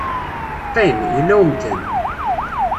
Qqim, yella umkan.